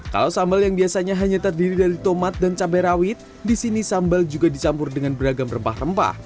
kalau sambal yang biasanya hanya terdiri dari tomat dan cabai rawit di sini sambal juga dicampur dengan beragam rempah rempah